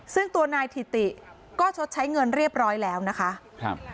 ซึ่งตัวนายถิติก็ชดใช้เงินเรียบร้อยแล้วนะคะครับ